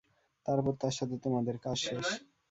তারপর তার সাথে তোমাদের কাজ শেষ।